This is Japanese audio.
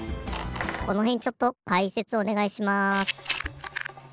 このへんちょっとかいせつおねがいします。